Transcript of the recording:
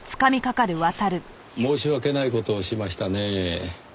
申し訳ない事をしましたねぇ。